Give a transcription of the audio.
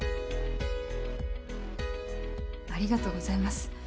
ありがとうございます。